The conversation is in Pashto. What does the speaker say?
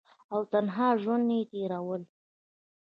او تنها ژوند ئې تيرولو ۔